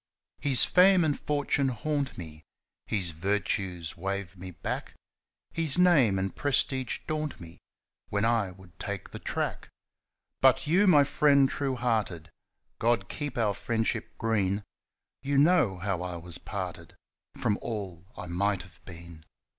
His fame and fortune haunt me; His virtues wave me back; His name and prestige daunt me When I would take the track; But you, my friend true hearted God keep our friendship green! You know how I was parted From all I might have been.